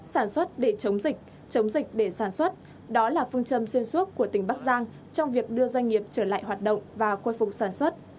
sản xuất để chống dịch chống dịch để sản xuất đó là phương châm xuyên suốt của tỉnh bắc giang trong việc đưa doanh nghiệp trở lại hoạt động và khôi phục sản xuất